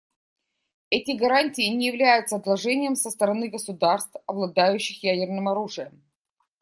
Эти гарантии не являются одолжением со стороны государств, обладающих ядерным оружием.